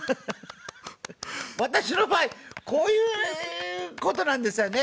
私の場合こういうことなんですよね。